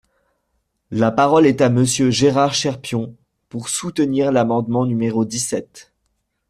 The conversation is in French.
La parole est à Monsieur Gérard Cherpion, pour soutenir l’amendement numéro dix-sept.